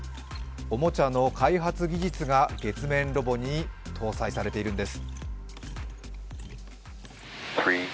おもちゃの開発技術が月面ロボに搭載されているんです。